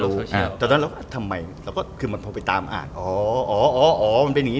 รู้สึกแกล้งอะไรเนี่ย